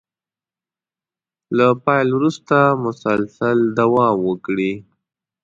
له پيل وروسته مسلسل دوام وکړي.